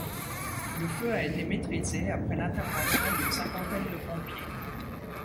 Le feu a été maîtrisé après l'intervention d'une cinquantaine de pompiers.